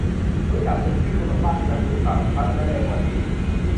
รู้ชื่อตึก ชื่อถนนบ้าง จะสื่อสารชัดและเร็วกว่านี้